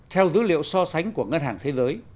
theo dữ liệu so sánh của ngân hàng thế giới